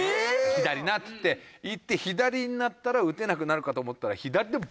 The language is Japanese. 「左な」って言って行って左になったら打てなくなるかと思ったら。